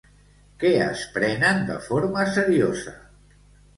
Què es prenen de forma seriosa?